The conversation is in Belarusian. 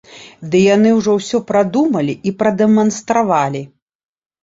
Ды яны ўжо ўсё прадумалі і прадэманстравалі.